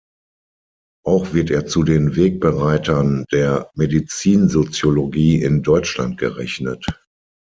Auch wird er zu den Wegbereitern der Medizinsoziologie in Deutschland gerechnet.